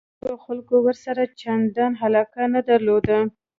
نورو خلکو ورسره چندان علاقه نه درلوده.